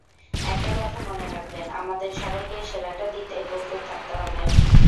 একটা কথা মনে রাখবেন, আমাদের সবাইকেই সেরাটা দিতে প্রস্তুত থাকতে হবে।